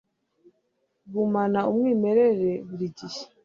gumana umwimerere burigihe